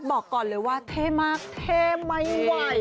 บอกก่อนเลยว่าเท่มากเท่ไม่ไหว